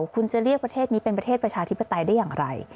คุณจะเรียกประเทศนี้เป็นประเทศประชาธิปไตยได้อย่างไร